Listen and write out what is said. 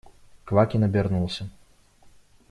Квакин обернулся.